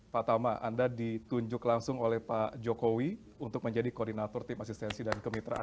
pak tama anda ditunjuk langsung oleh pak jokowi untuk menjadi koordinator tim asistensi dan kemitraan